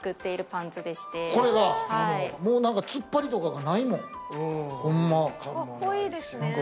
もう何か突っ張りとかがないもんホンマ。